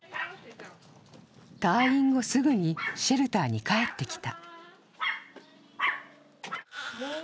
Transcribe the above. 退院後すぐにシェルターに帰ってきた。